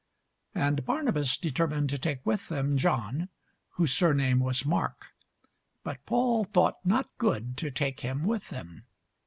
And Barnabas determined to take with them John, whose surname was Mark. But Paul thought not good to take him with them.